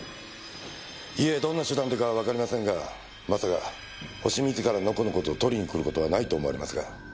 いえどんな手段でかはわかりませんがまさかホシ自らノコノコと取りに来る事はないと思われますが。